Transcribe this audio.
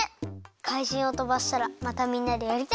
かいじんをとばしたらまたみんなでやりたいです。